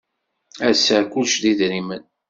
Ass-a kullec d idrimen.